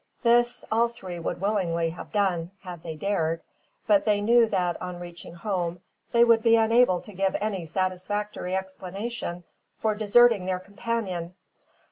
This, all three would willingly have done, had they dared. But they knew that, on reaching home, they would be unable to give any satisfactory explanation for deserting their companion.